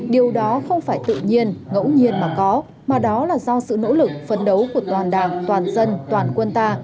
điều đó không phải tự nhiên ngẫu nhiên mà có mà đó là do sự nỗ lực phấn đấu của toàn đảng toàn dân toàn quân ta